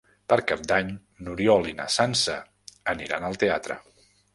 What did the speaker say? Per Cap d'Any n'Oriol i na Sança aniran al teatre.